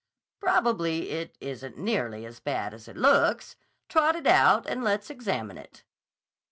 "Probably it isn't nearly as bad as it looks. Trot it out, and let's examine it."